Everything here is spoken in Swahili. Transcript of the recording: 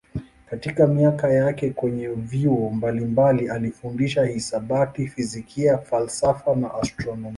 Katika miaka yake kwenye vyuo mbalimbali alifundisha hisabati, fizikia, falsafa na astronomia.